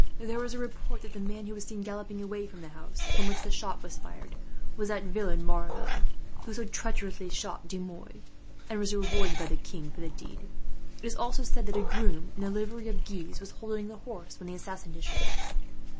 "There is a report that the man who was seen galloping away from the house from which the shot was fired was that villain Maurevel, who so treacherously shot De Mouy, and was rewarded by the king for the deed. It is also said that a groom, in the livery of Guise, was holding the horse when the assassin issued out.